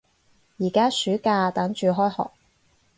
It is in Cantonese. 而家暑假，等住開學